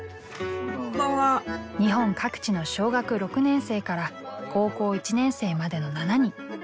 日本各地の小学６年生から高校１年生までの７人。